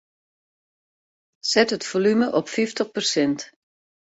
Set it folume op fyftich persint.